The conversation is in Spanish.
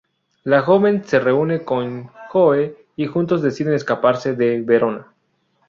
La joven se reúne con Joe, y juntos deciden escaparse de Verona.